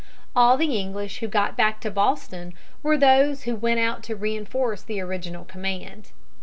All the English who got back to Boston were those who went out to reinforce the original command.